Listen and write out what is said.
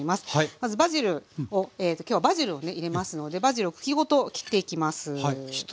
まずバジルを今日はバジルをね入れますのでバジルを茎ごと切っていきます。